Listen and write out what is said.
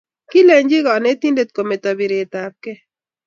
Kilechi kanetindet kometo biret ab ke